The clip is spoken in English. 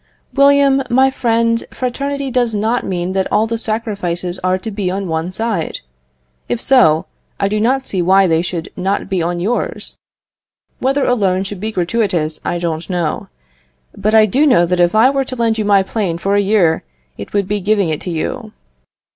William, my friend, fraternity does not mean that all the sacrifices are to be on one side; if so, I do not see why they should not be on yours. Whether a loan should be gratuitous I don't know; but I do know that if I were to lend you my plane for a year it would be giving it you.